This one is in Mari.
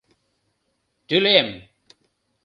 Тӱлем!